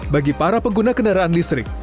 bagi para pengguna kendaraan listrik